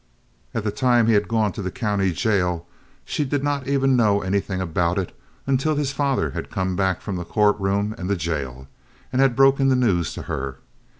At the time he had gone to the county jail she did not even know anything about it until his father had come back from the court room and the jail and had broken the news to her.